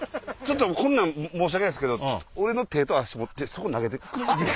こんなん申し訳ないですけど俺の手と足持ってそこ投げて。